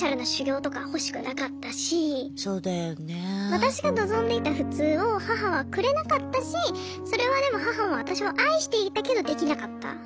私が望んでいた普通を母はくれなかったしそれはでも母も私を愛していたけどできなかった。